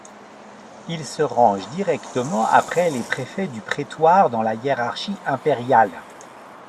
Il se range directement après les préfets du prétoire dans la hiérarchie impériale.